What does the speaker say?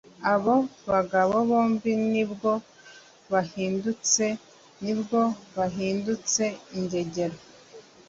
Abo bagabo bombi ni bwo bahindutse nibwo bahindutse ingegera